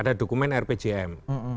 ada dokumen rpjm